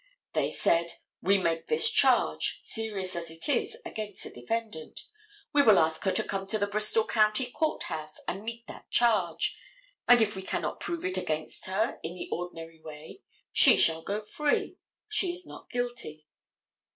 They said, "We make this charge, serious as it is, against the defendant. We will ask her to come to the Bristol county court house and meet that charge, and if we cannot prove it against her in the ordinary way she shall go free: she is not guilty."